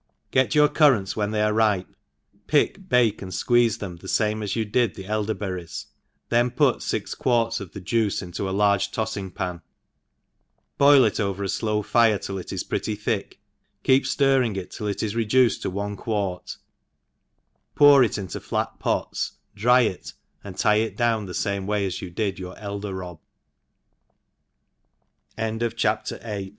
»•• GET your currants when they are ripc» pickt bake, and fqueeze them the fame as you did tho elderberries, itben put fijc quarts of the juice into a large .toiling pan, boil it over a flow fire, till it is pi'etty thfck, keep ftirring it till it is reduced to one quart, pour it into flat pots, dry it, and tie it down the fantie wa